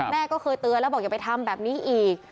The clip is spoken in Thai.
แม่ก็เคยเตือนแล้วบอกอย่าไปทำแบบนี้อีก